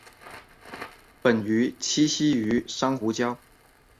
本鱼栖息于珊瑚礁。